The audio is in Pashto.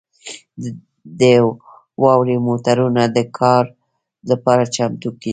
د واورې موټرونه د کار لپاره چمتو کیږي